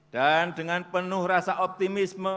dan dengan penuh rasa optimisme